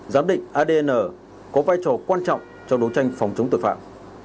giám định adn có vai trò quan trọng trong đấu tranh phòng chống tội phạm